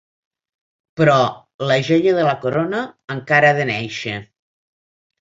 Però la joia de la corona encara ha de néixer.